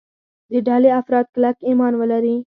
د ډلې افراد کلک ایمان ولري.